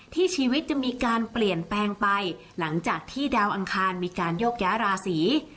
ชีวิตจะมีการเปลี่ยนแปลงไปหลังจากที่ดาวอังคารมีการโยกย้ายราศี